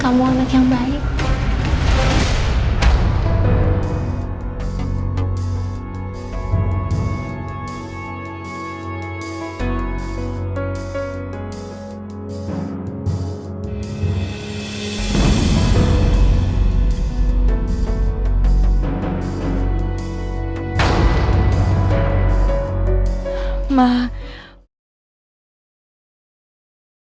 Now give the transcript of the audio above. karena keberadaan itu